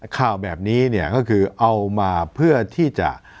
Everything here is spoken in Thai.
ข่าวแบบนี้เนี่ยก็คือเอามาเพื่อที่จะ